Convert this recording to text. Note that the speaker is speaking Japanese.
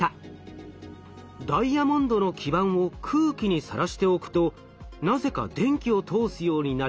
ダイヤモンドの基板を空気にさらしておくとなぜか電気を通すようになる。